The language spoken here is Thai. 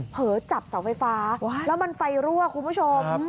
เผลอจับเสาไฟฟ้าแล้วมันไฟรั่วคุณผู้ชม